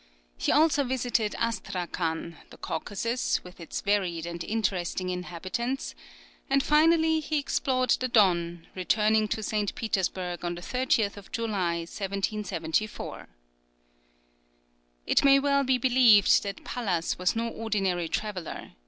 He also visited Astrakan; the Caucasus, with its varied and interesting inhabitants; and finally, he explored the Don, returning to St. Petersburg on the 30th of July, 1774. It may well be believed that Pallas was no ordinary traveller.